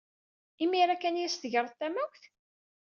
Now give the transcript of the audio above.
Imir-a kan ay as-tegreḍ tamawt?